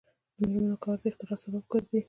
د میرمنو کار د اختراع سبب ګرځي.